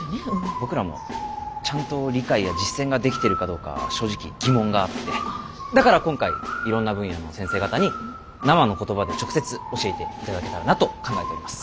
僕らもちゃんと理解や実践ができてるかどうか正直疑問があってだから今回いろんな分野の先生方に生の言葉で直接教えていただけたらなと考えております